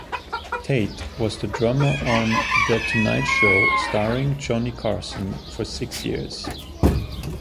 Tate was the drummer on "The Tonight Show Starring Johnny Carson" for six years.